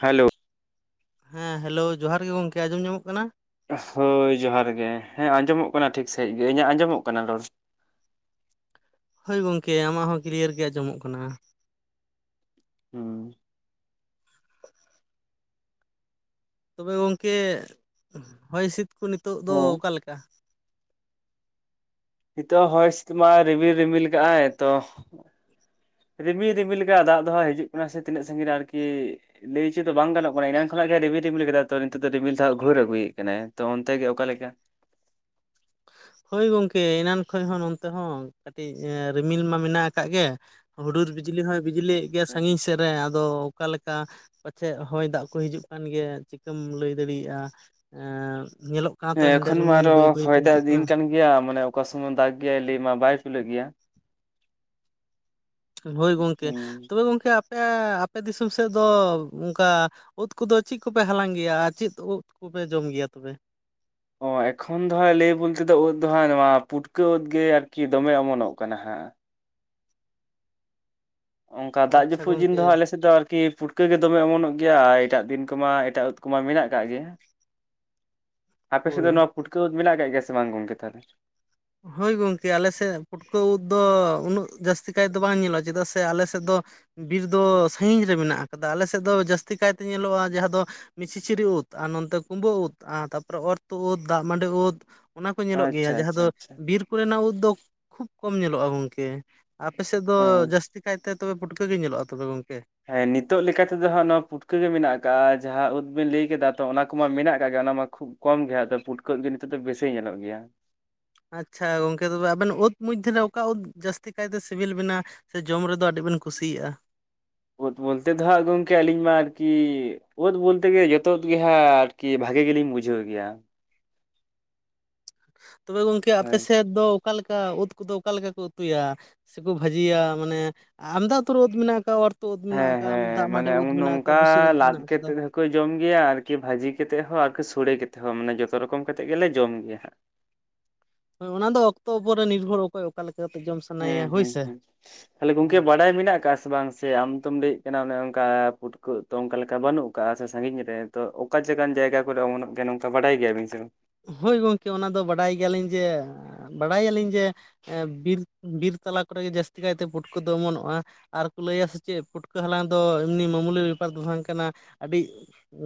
Hello. ᱦᱮᱸ hello ᱡᱚᱦᱟᱨ ᱜᱮ ᱜᱚᱝᱠᱮ ᱟᱸᱡᱚᱢ ᱧᱟᱢᱚᱜ ᱠᱟᱱᱟ ᱾ ᱦᱳᱭ ᱡᱚᱦᱟᱨ ᱜᱮ ᱦᱮᱸ ᱟᱸᱡᱚᱢᱚᱜ ᱠᱟᱱᱟ ᱴᱷᱤᱠ ᱥᱟᱺᱦᱤᱡ ᱜᱮ ᱤᱧᱟᱹᱜ ᱟᱸᱡᱚᱢᱚᱜ ᱠᱟᱱᱟ ᱨᱚᱲ ᱾ ᱦᱳᱭ ᱜᱚᱝᱠᱮ ᱟᱢᱟᱜ ᱦᱚᱸ ᱠᱤᱞᱤᱭᱟᱨ ᱜᱮ ᱟᱸᱡᱚᱢᱚᱜ ᱠᱟᱱᱟ ᱾ ᱦᱩᱸ ᱾ ᱛᱚᱵᱮ ᱜᱚᱝᱠᱮ ᱦᱚᱭ ᱦᱤᱥᱤᱫ ᱠᱚ ᱱᱤᱛᱚᱜ ᱫᱚ ᱦᱮᱸ ᱚᱠᱟ ᱞᱮᱠᱟ? ᱱᱤᱛᱚᱜ ᱦᱚᱭ ᱦᱤᱥᱤᱫ ᱢᱟ ᱨᱤᱢᱤᱞ ᱨᱤᱢᱤᱞ ᱠᱟᱜ ᱟᱭ ᱛᱚ ᱾ ᱨᱤᱢᱤᱞ ᱨᱤᱢᱤᱞ ᱞᱮᱠᱟ ᱫᱟᱜ ᱫᱚᱦᱚ ᱦᱤᱡᱩᱜ ᱠᱟᱱᱟ ᱥᱮ ᱛᱤᱱᱟᱹᱜ ᱥᱟᱺᱜᱤᱧ ᱨᱮ ᱟᱨᱠᱤ ᱞᱟᱹᱭ ᱦᱚᱪᱚ ᱫᱚ ᱵᱟᱝ ᱜᱟᱱᱚᱜ ᱠᱟᱱᱟ ᱮᱱᱟᱝ ᱠᱷᱚᱱᱟᱜ ᱜᱮ ᱨᱤᱢᱤᱞ ᱨᱤᱢᱤᱞ ᱟᱠᱟᱫᱟ ᱛᱚ ᱱᱤᱛᱚᱜ ᱫᱚ ᱨᱤᱢᱤᱞ ᱫᱚ ᱦᱟᱸᱜ ᱜᱷᱳᱨ ᱟᱹᱜᱩᱭᱮᱫ ᱠᱟᱱᱟᱭ ᱛᱚ ᱚᱱᱛᱮ ᱜᱮ ᱚᱠᱟ ᱞᱮᱠᱟ ᱦᱳᱭ ᱜᱚᱝᱠᱮ ᱮᱱᱟᱝ ᱠᱷᱚᱡ ᱦᱚᱸ ᱱᱚᱱᱛᱮ ᱦᱚᱸ ᱠᱟᱹᱴᱤᱡ ᱨᱤᱢᱤᱞ ᱢᱟ ᱢᱮᱱᱟᱜ ᱟᱠᱟᱫ ᱜᱮ ᱾ ᱦᱩᱰᱩᱨ ᱵᱤᱡᱽᱞᱤ ᱦᱚᱸᱭ ᱵᱤᱡᱽᱞᱤᱭᱮᱫ ᱜᱮᱭᱟ ᱥᱟᱺᱜᱤᱧ ᱦᱮᱸ ᱥᱮᱫ ᱨᱮ ᱟᱫᱚ ᱾ ᱚᱠᱟ ᱞᱮᱠᱟ ᱯᱟᱪᱷᱮ ᱦᱚᱭ ᱫᱟᱜ ᱠᱚ ᱦᱤᱡᱩᱜ ᱠᱟᱱ ᱜᱮᱭᱟ ᱪᱤᱠᱟᱹᱢ ᱞᱟᱹᱭ ᱫᱟᱲᱮᱭᱟᱜᱼᱟ ᱾ ᱮ ᱧᱮᱞᱚᱜ ᱠᱟᱱᱟ ᱛᱚ ᱦᱮᱸᱫᱮ ᱮᱠᱷᱚᱱ ᱢᱟ ᱨᱤᱢᱤᱞ ᱟᱨᱚ ᱵᱟᱹᱭ ᱦᱚᱭ ᱵᱟᱹᱭᱛᱮ ᱫᱟᱜ ᱦᱤᱡᱩᱜ ᱠᱟᱱᱟ᱾ ᱫᱤᱱ ᱠᱟᱱ ᱜᱮᱭᱟ ᱢᱟᱱᱮ ᱚᱠᱟ ᱥᱚᱢᱚᱭ ᱫᱟᱜ ᱜᱮᱭᱟᱭ ᱞᱟᱹᱭ ᱢᱟ ᱵᱟᱭ ᱠᱩᱞᱟᱹᱜ ᱜᱮᱭᱟ᱾ ᱦᱳᱭ ᱜᱚᱝᱠᱮ ᱦᱩᱸ ᱛᱚᱵᱮ ᱜᱚᱝᱠᱮ ᱟᱯᱮ ᱟᱯᱮ ᱫᱤᱥᱚᱢ ᱥᱮᱫ ᱫᱚ ᱚᱱᱠᱟ ᱩᱫ ᱠᱚᱫᱚ ᱪᱮᱫ ᱠᱚᱯᱮ ᱦᱟᱞᱟᱝ ᱜᱮᱭᱟ ᱟᱨ ᱪᱮᱫ ᱩᱫ ᱩᱫ ᱯᱮ ᱡᱚᱢ ᱜᱮᱭᱟ ᱛᱚᱵᱮ ᱚ ᱮᱠᱷᱚᱱ ᱫᱚ ᱦᱟᱸᱜ ᱞᱟᱹᱭ ᱵᱚᱞᱛᱮ ᱫᱚ ᱩᱫ ᱫᱚ ᱦᱟᱸᱜ ᱱᱚᱣᱟ ᱯᱩᱴᱠᱟᱹ ᱩᱫ ᱜᱮ ᱟᱨᱠᱤ ᱫᱚᱢᱮ ᱚᱢᱚᱱᱚᱜ ᱠᱟᱱᱟ ᱦᱟᱸᱜ᱾ ᱚᱱᱠᱟ ᱫᱟᱜ ᱟᱪᱪᱷᱟ ᱡᱟᱹᱯᱩᱫ ᱫᱤᱱ ᱜᱚᱝᱠᱮ ᱫᱚ ᱦᱟ. ᱜ ᱟᱞᱮ ᱥᱮᱫ ᱫᱚ ᱟᱨᱠᱤ ᱯᱩᱴᱠᱟ. ᱜᱮ ᱫᱚᱢᱮ ᱚᱢᱚᱱᱚᱜ ᱜᱮᱭᱟ ᱟᱨ ᱮᱴᱟᱜ ᱫᱤᱱ ᱠᱚᱢᱟ ᱮᱴᱟᱜ ᱩᱫ ᱠᱚᱢᱟ ᱢᱮᱱᱟᱜ ᱟᱠᱟᱜ ᱜᱮᱭᱟ᱾ ᱟᱯᱮ ᱥᱮᱫ ᱦᱳᱭ ᱫᱚ ᱱᱚᱣᱟ ᱯᱩᱴᱠᱟᱹ ᱩᱫ ᱢᱮᱱᱟᱜ ᱟᱠᱟᱫ ᱜᱮᱭᱟ ᱥᱮ ᱵᱟᱝ ᱜᱚᱝᱠᱮ ᱛᱟᱦᱞᱮ? ᱦᱳᱭ ᱜᱚᱝᱠᱮ ᱟᱞᱮ ᱥᱮᱫ ᱯᱩᱴᱠᱟᱹ ᱩᱫ ᱫᱚ ᱩᱱᱟᱹᱜ ᱡᱟᱹᱥᱛᱤ ᱠᱟᱭ ᱫᱚ ᱵᱟᱝ ᱧᱮᱞᱚᱜᱼᱟ ᱪᱮᱫᱟᱜ ᱥᱮ ᱟᱞᱮ ᱥᱮᱫ ᱫᱚ ᱵᱤᱨ ᱫᱚ ᱥᱟᱺᱜᱤᱧ ᱨᱮ ᱢᱮᱱᱟᱜ ᱠᱟᱫᱟ ᱟᱞᱮ ᱥᱮᱫ ᱫᱚ ᱡᱟᱹᱥᱛᱤ ᱠᱟᱭ ᱛᱮ ᱧᱮᱞᱚᱜᱼᱟ ᱡᱟᱦᱟᱸ ᱫᱚ ᱢᱤᱥᱤᱪᱤᱨᱤ ᱩᱫ ᱟᱨ ᱱᱚᱛᱮ ᱠᱩᱢᱵᱟᱹ ᱩᱫ ᱟᱨ ᱛᱟᱨᱯᱚᱨᱮ ᱚᱨᱛᱩᱫ ᱩᱫ ᱫᱟᱜ ᱢᱟᱹᱰᱤ ᱩᱫ ᱚᱱᱟ ᱠᱚ ᱧᱮᱞᱚᱜ ᱜᱮᱭᱟ ᱟᱪᱪᱷᱟ ᱡᱟᱦᱟᱸ ᱟᱪᱪᱷᱟ ᱫᱚ ᱟᱪᱪᱷᱟ ᱵᱤᱨ ᱠᱚᱨᱮᱱᱟᱜ ᱩᱫ ᱫᱚ ᱠᱷᱩᱵ ᱠᱚᱢ ᱧᱮᱞᱚᱜᱼᱟ ᱜᱚᱝᱠᱮ ᱟᱯᱮ ᱥᱮᱫ ᱫᱚ ᱚ ᱡᱟᱹᱥᱛᱤ ᱠᱟᱭ ᱛᱮ ᱛᱚᱵᱮ ᱯᱩᱴᱠᱟᱹ ᱜᱮ ᱧᱮᱞᱚᱜᱼᱟ ᱛᱚᱵᱮ ᱜᱚᱝᱠᱮ? ᱦᱮᱸ ᱱᱤᱛᱚᱜ ᱞᱮᱠᱟᱛᱮ ᱫᱚ ᱦᱟᱸᱜ ᱱᱚᱣᱟ ᱯᱩᱴᱠᱟᱹ ᱜᱮ ᱢᱮᱱᱟᱜ ᱟᱠᱟᱜᱼᱟ ᱡᱟᱦᱟᱸ ᱩᱫ ᱵᱮᱱ ᱞᱟᱹᱭ ᱠᱮᱫᱟ ᱛᱚ ᱚᱱᱟ ᱠᱚᱢᱟ ᱢᱮᱱᱟᱜ ᱟᱠᱫᱟᱜ ᱜᱮ ᱚᱱᱟ ᱢᱟ ᱠᱷᱩᱵᱽ ᱠᱚᱢ ᱜᱮᱭᱟ ᱟᱫᱚ ᱯᱩᱴᱠᱟᱹ ᱜᱮ ᱱᱤᱛᱚᱜ ᱫᱚ ᱵᱮᱥᱤ ᱧᱮᱞᱚᱜ ᱜᱮᱭᱟ᱾ ᱟᱪᱷᱟ ᱜᱚᱝᱠᱮ ᱛᱚᱵᱮ ᱟᱵᱮᱱ ᱩᱫ ᱢᱚᱫᱽᱨᱮ ᱚᱠᱟ ᱩᱫ ᱡᱟᱹᱥᱛᱤ ᱠᱟᱭᱛᱮ ᱥᱤᱵᱤᱞ ᱵᱮᱱᱟ? ᱥᱮ ᱡᱚᱢ ᱨᱮᱫᱚ ᱟᱹᱰᱤ ᱵᱮᱱ ᱠᱩᱥᱤᱭᱟᱜᱼᱟ? ᱩᱫ [inaudible] ᱫᱚ ᱦᱟᱸᱜ ᱜᱚᱢᱠᱮ ᱟᱹᱞᱤᱧ ᱢᱟ ᱟᱨᱠᱤ ᱤᱫ ᱵᱚᱞᱛᱮ ᱜᱮ ᱡᱚᱛᱚ ᱜᱮ ᱦᱟᱸᱜ ᱟᱨᱠᱤ ᱵᱷᱟᱜᱮ ᱜᱮᱞᱤᱧ ᱵᱩᱡᱷᱟᱹᱣ ᱜᱮᱭᱟ᱾ ᱛᱚᱵᱮ ᱜᱚᱝᱠᱮ ᱟᱯᱮ ᱦᱳᱭ ᱥᱮᱫ ᱫᱚ ᱚᱠᱟᱞᱮᱠᱟ ᱩᱫ ᱠᱚᱫᱚ ᱚᱠᱟᱞᱮᱠᱟ ᱠᱚ ᱩᱛᱩᱭᱟ? ᱥᱮᱠᱚ ᱵᱷᱟᱹᱡᱤᱭᱟ ᱢᱟᱱᱮ ᱟᱢᱫᱟ ᱩᱛᱟᱹᱨ ᱳᱫᱽ ᱢᱮᱱᱟᱜ ᱟᱠᱟᱣᱟ ᱩᱫᱽ ᱢᱮᱱᱟᱜ ᱦᱮᱸ ᱟᱠᱟᱫᱟ ᱫᱟᱜ ᱦᱮᱸ ᱢᱟᱹᱰᱤ ᱩᱫᱽ ᱢᱮᱱᱟᱜ ᱟᱠᱟᱫᱟ ᱵᱩᱥᱩ ᱩᱫᱽ ᱢᱮᱱᱟᱜ ᱟᱠᱟᱫᱟ ᱠᱚ ᱡᱚᱢ ᱜᱮᱭᱟ ᱟᱨᱠᱤ ᱵᱷᱟᱹᱡᱤ ᱠᱟᱛᱮᱫ ᱦᱚᱸ ᱟᱨᱠᱤ ᱥᱚᱲᱮ ᱠᱟᱛᱮᱫ ᱦᱚᱸ ᱢᱟᱱᱮ ᱡᱚᱛᱚ ᱨᱚᱠᱚᱢ ᱠᱟᱛᱮᱫ ᱜᱮᱞᱮ ᱡᱚᱢ ᱜᱮᱭᱟ ᱦᱟᱸᱜ᱾ ᱦᱳᱭ ᱚᱱᱟ ᱫᱚ ᱚᱠᱛᱚ ᱳᱯᱚᱨ ᱨᱮ ᱱᱤᱨᱵᱷᱚᱨ ᱚᱠᱚᱭ ᱚᱠᱟ ᱞᱮᱠᱟᱛᱮ ᱡᱚᱢ ᱥᱟᱱᱟᱭᱮᱭᱟ ᱦᱮᱸ ᱦᱳᱭ ᱦᱮᱸ ᱥᱮ ᱦᱮᱸ ᱛᱟᱦᱞᱮ ᱜᱚᱝᱠᱮ ᱵᱟᱰᱟᱭ ᱢᱮᱱᱟᱜ ᱟᱠᱟᱫ ᱥᱮ ᱥᱮ ᱵᱟᱝ ᱥᱮ ᱟᱢ ᱛᱚᱢ ᱞᱟᱹᱭᱮᱫ ᱠᱟᱱᱟ ᱚᱱᱮ ᱚᱱᱠᱟ ᱯᱩᱴᱠᱟᱹ ᱩᱫ ᱛᱚ ᱚᱱᱠᱟ ᱞᱮᱠᱟ ᱵᱟᱹᱱᱩᱜ ᱟᱠᱟᱜᱼᱟ ᱥᱮ ᱥᱟᱺᱜᱤᱧ ᱨᱮ? ᱛᱚ ᱚᱠᱟ ᱪᱮᱠᱟᱱ ᱡᱟᱭᱜᱟ ᱠᱚᱨᱮ ᱚᱢᱚᱱᱚᱜ ᱜᱮ ᱱᱚᱝᱠᱟ ᱵᱟᱰᱟᱭ ᱜᱮᱭᱟᱵᱤᱱ ᱥᱮ? ᱦᱳᱭ ᱜᱚᱢᱠᱮ ᱚᱱᱟ ᱫᱚ ᱵᱟᱰᱟᱭ ᱜᱮᱭᱟ ᱞᱤᱧ ᱡᱮ ᱵᱟᱰᱟᱭᱟᱞᱤᱧ ᱡᱮ ᱦᱮᱸ ᱵᱤᱨ ᱵᱤᱨ ᱛᱟᱞᱟ ᱠᱚᱨᱮ ᱜᱮ ᱡᱟᱹᱥᱛᱤ ᱠᱟᱭᱛᱮ ᱯᱩᱴᱠᱟᱹ ᱫᱚ ᱚᱢᱚᱱᱚᱜᱼᱟ᱾ ᱟᱨ ᱠᱚ ᱞᱟᱹᱭᱟ ᱥᱮ ᱪᱮᱫ ᱯᱩᱴᱠᱟᱹ ᱦᱟᱞᱟᱝ ᱫᱚ ᱮᱢᱱᱤ ᱟᱢᱩᱞᱤ ᱵᱮᱯᱟᱨ ᱫᱚ ᱵᱟᱝ ᱠᱟᱱᱟ ᱟᱹᱰᱤ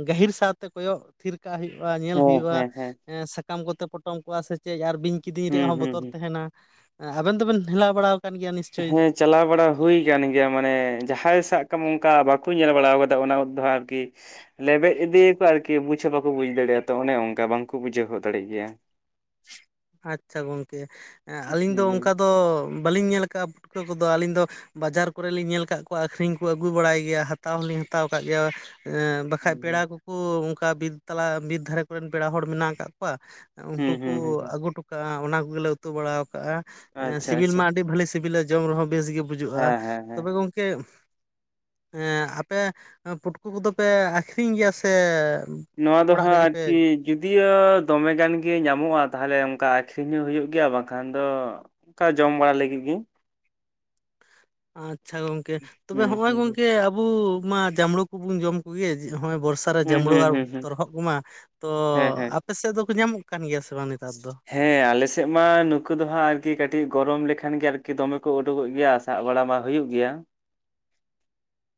ᱜᱟᱹᱦᱤᱨ ᱥᱟᱶᱛᱮ ᱠᱚᱭᱚᱜ ᱛᱷᱤᱨ ᱠᱟᱜ ᱦᱩᱭᱩᱜᱼᱟ ᱧᱮᱞ ᱦᱮᱸ ᱦᱩᱭᱩᱜᱼᱟ ᱦᱮᱸ ᱦᱮᱸ ᱥᱟᱠᱟᱢ ᱠᱚᱛᱮ ᱯᱚᱴᱚᱢ ᱠᱚᱜᱼᱟ ᱥᱮ ᱪᱮᱫ ᱟᱨ ᱵᱤᱧ ᱠᱤᱫᱤᱧ ᱦᱩᱸ ᱨᱮᱭᱟᱜ ᱦᱚᱸ ᱦᱩᱸ ᱵᱚᱛᱚᱨ ᱦᱩᱸ ᱛᱟᱦᱮᱱᱟ ᱟᱵᱮᱱ ᱫᱚᱵᱮᱱ ᱦᱮᱞᱟᱣ ᱵᱟᱲᱟ ᱟᱠᱟᱱ ᱜᱮᱭᱟ ᱱᱤᱥᱪᱳᱭ ᱦᱮᱸ ᱪᱟᱞᱟᱣ ᱵᱟᱲᱟ ᱦᱩᱭ ᱟᱠᱟᱱ ᱜᱮᱭᱟ ᱢᱟᱱᱮ ᱡᱟᱦᱟᱸᱭ ᱥᱟᱵ ᱠᱟᱜ ᱢᱮ ᱚᱱᱠᱟ ᱵᱟᱠᱚ ᱧᱮᱞ ᱵᱟᱲᱟ ᱠᱟᱫᱟ ᱚᱱᱟ ᱳᱫᱽ ᱫᱚ ᱟᱨᱠᱤ ᱞᱮᱵᱮᱫ ᱤᱫᱤᱭᱟᱠᱚ ᱟᱨᱠᱤ ᱵᱩᱡ ᱦᱚᱸ ᱵᱟᱠᱚ ᱵᱩᱡ ᱫᱟᱲᱮᱭᱟᱜᱼᱟ ᱛᱚ ᱚᱱᱮ ᱚᱱᱠᱟ ᱵᱟᱝᱠᱚ ᱵᱩᱡᱷᱟᱹᱣ ᱦᱚᱜ ᱫᱟᱲᱮᱭᱟᱜ ᱜᱮᱭᱟ᱾ ᱟᱪᱷᱟ ᱜᱚᱝᱠᱮ ᱦᱩᱸ ᱟᱞᱤᱧ ᱫᱚ ᱚᱱᱠᱟ ᱫᱚ ᱵᱟᱹᱞᱤᱧ ᱧᱮᱞ ᱟᱠᱟᱫᱼᱟ ᱯᱩᱴᱷᱠᱟᱹ ᱠᱚᱫᱚ ᱟᱹᱞᱤᱧ ᱫᱚ ᱵᱟᱡᱟᱨ ᱠᱚᱨᱮᱞᱤᱧ ᱧᱮᱞ ᱟᱠᱟᱜ ᱠᱚᱣᱟ ᱟᱹᱠᱷᱨᱤᱧ ᱠᱚ ᱟᱹᱜᱩ ᱵᱟᱲᱟᱭ ᱜᱮᱭᱟ ᱦᱟᱛᱟᱣ ᱦᱚᱸᱞᱤᱧ ᱦᱟᱛᱟᱣ ᱠᱟᱜ ᱜᱮᱭᱟ᱾ ᱵᱟᱠᱷᱟᱡ ᱯᱮᱲᱟ ᱠᱚ ᱦᱩᱸ ᱠᱚ ᱚᱱᱠᱟ ᱵᱤᱨ ᱛᱟᱞᱟ ᱵᱤᱨ ᱫᱷᱟᱨ ᱠᱚᱨᱮᱱ ᱯᱮᱲᱟ ᱦᱚᱲ ᱢᱮᱱᱟᱜ ᱟᱠᱟᱫ ᱠᱚᱣᱟ ᱩᱱᱠᱩ ᱠᱚ ᱦᱩᱸ ᱦᱩᱸ ᱦᱩᱸ ᱟᱹᱜᱩ ᱦᱚᱴᱚ ᱠᱟᱜᱼᱟ ᱚᱱᱟ ᱠᱚᱜᱮᱞᱮ ᱩᱛᱩ ᱵᱟᱲᱟ ᱣᱟᱠᱟᱜᱼᱟ ᱟᱪᱪᱷᱟ ᱥᱤᱵᱤᱞ ᱟᱪᱪᱷᱟ ᱢᱟ ᱟᱹᱰᱤ ᱵᱷᱟᱞᱤ ᱥᱤᱵᱤᱞᱟ ᱡᱚᱢ ᱨᱮᱦᱚᱸ ᱵᱮᱥ ᱜᱮ ᱵᱩᱡᱩᱜᱼᱟ ᱦᱮᱸ ᱦᱮᱸ ᱦᱮᱸ ᱛᱚᱵᱮ ᱜᱚᱢᱠᱮ ᱟᱯᱮ ᱯᱩᱴᱠᱩ ᱠᱚᱫᱚ ᱯᱮ ᱟᱠᱷᱨᱤᱧ ᱜᱮᱭᱟ ᱥᱮ ᱱᱚᱣᱟ ᱫᱚ ᱚᱲᱟᱜ ᱦᱟᱸᱜ ᱨᱮᱜᱮ ᱯᱮ ᱟᱨᱠᱤ ᱡᱩᱫᱤᱭᱳ ᱫᱚᱢᱮ ᱜᱟᱱ ᱜᱮ ᱧᱟᱢᱚᱜᱼᱟ ᱛᱟᱦᱚᱞᱮ ᱚᱱᱠᱟ ᱟᱹᱠᱷᱨᱤᱧ ᱦᱚᱸ ᱦᱩᱭᱩᱜ ᱜᱮᱭᱟ ᱵᱟᱝᱠᱷᱟᱱ ᱫᱚ ᱚᱱᱠᱟ ᱡᱚᱢ ᱵᱟᱲᱟ ᱞᱟᱹᱜᱤᱫ ᱜᱮ ᱟᱪᱷᱟ ᱜᱚᱝᱠᱮ ᱛᱚᱵᱮ ᱦᱩᱸ ᱦᱚᱸᱜᱚᱭ ᱦᱩᱸ ᱦᱩᱸ ᱜᱚᱝᱠᱮ ᱟᱵᱚ ᱢᱟ ᱡᱟᱸᱢᱵᱲᱩ ᱠᱚᱵᱚᱱ ᱡᱚᱢ ᱠᱚ ᱜᱮ ᱦᱚᱸᱭ ᱵᱚᱨᱥᱟ ᱞᱟᱛᱟᱨ ᱨᱮ ᱡᱟᱸᱢᱵᱲᱩ ᱦᱩᱸ ᱟᱨ ᱦᱩᱸ ᱦᱩᱸ ᱛᱚᱨᱚᱦᱚᱜ ᱠᱚᱢᱟ ᱛᱚ ᱦᱮᱸ ᱦᱮᱸ ᱟᱯᱮ ᱥᱮᱫ ᱫᱚᱠᱚ ᱧᱟᱢᱚᱜ ᱠᱟᱱ ᱜᱮᱭᱟ ᱥᱮ ᱵᱟᱝ ᱱᱮᱛᱟᱨ ᱫᱚ ᱦᱮᱸ ᱟᱞᱮᱥᱮᱫ ᱢᱟ ᱱᱩᱠᱩ ᱫᱚ ᱦᱟᱸᱜ ᱟᱨᱠᱤ ᱠᱟᱹᱴᱤᱡ ᱜᱚᱨᱚᱢ ᱞᱮᱠᱷᱟᱱ ᱜᱮ ᱟᱨᱠᱤ ᱫᱚᱢᱮ ᱠᱚ ᱩᱰᱩᱠᱚᱜ ᱜᱮᱭᱟ ᱥᱟᱵ ᱵᱟᱲᱟ ᱢᱟ ᱦᱩᱭᱩᱜ ᱜᱮᱭᱟ [unintelligible]